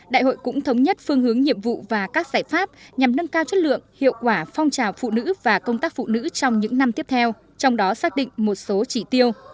đại hội cũng thống nhất phương hướng nhiệm vụ và các giải pháp nhằm nâng cao chất lượng hiệu quả phong trào phụ nữ và công tác phụ nữ trong những năm tiếp theo trong đó xác định một số chỉ tiêu